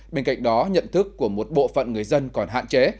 bên cạnh đó nhận thức của một bộ phận người dân còn hạn chế